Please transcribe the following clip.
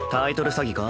詐欺か？